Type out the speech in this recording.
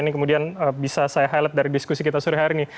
ini kemudian bisa saya highlight dari diskusi kita sore hari ini